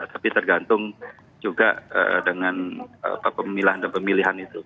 tapi tergantung juga dengan pemilahan dan pemilihan itu